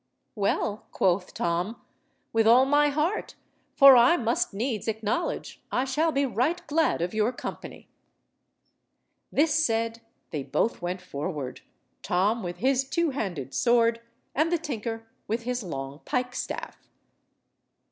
"Well," quoth Tom, "with all my heart, for I must needs acknowledge I shall be right glad of your company." This said, they both went forward, Tom with his two–handed sword, and the tinker with his long pike–staff.